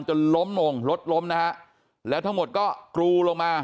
จนล้มลงรถล้มนะฮะแล้วทั้งหมดก็กรูลงมา